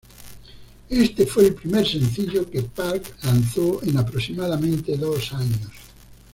Este fue el primer sencillo que Park lanzó en aproximadamente dos años.